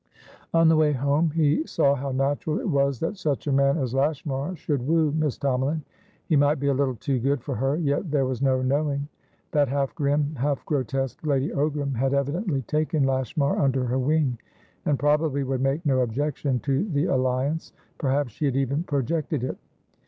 On the way home he saw how natural it was that such a man as Lashmar should woo Miss Tomalin. He might be a little too good for her; yet there was no knowing. That half grim, half grotesque Lady Ogram had evidently taken Lashmar under her wing, and probably would make no objection to the alliance; perhaps she had even projected it.